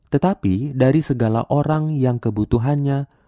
tetapi dari segala orang yang kebutuhannya